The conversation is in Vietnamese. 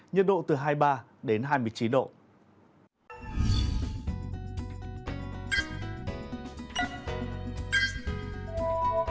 nhiệt độ từ hai mươi ba đến hai mươi chín độ